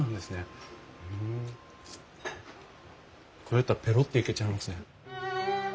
これだったらペロっていけちゃいますね。